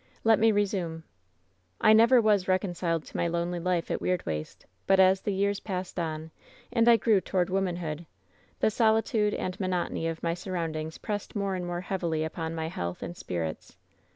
"Let me resume : "I never was reconciled to my lonely life at Weird waste, but as the years passed on, pnd I grew toward womanhood the solitude and monotony of my surround ings pressed more and more heavily upon my health and spirits.